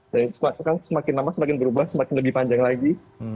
dan itu kan semakin lama semakin berubah semakin lebih panjang lagi